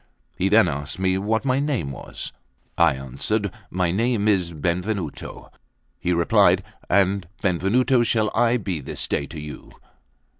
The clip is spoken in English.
He then asked me what my name was. I answered: "My name is Benvenuto." He replied: "And Benvenuto shall I be this day to you.